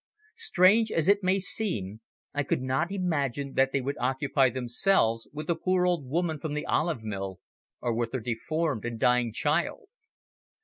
Strange as it may seem, I could not imagine that they would occupy themselves with a poor old woman from the olive mill or with her deformed and dying child.